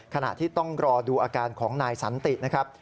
ขณะที่ต้องรอดูอาการของนายสันตินะครับ